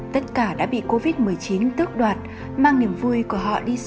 tất cả đã bị covid một mươi chín tước đoạt mang niềm vui của họ đi xa